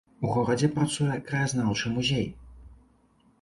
У горадзе працуе краязнаўчы музей.